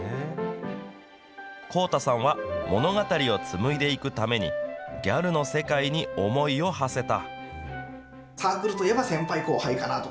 幸太さんは、物語を紡いでいくために、ギャルの世界に思いをはせた。